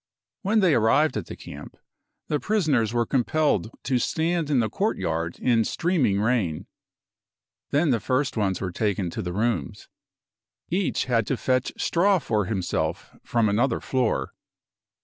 When they arrived at the camp, the prisoners were compelled to stand in the courtyard in streaming rain. Then the first ones were taken to the rooms. Each had to fetch straw for himself from another floor.